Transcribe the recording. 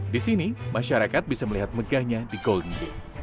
di sini masyarakat bisa melihat megahnya di golden game